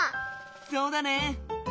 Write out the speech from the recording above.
そうだね。